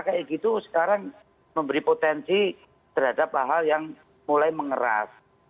kayak gitu sekarang memberi potensi terhadap hal hal yang mulai mengeras